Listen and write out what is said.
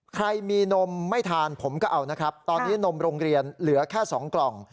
ใครมีนมไม่ทานผมก็เอานะครับตอนนี้นมโรงเรียนเหลือแค่๒กล่อง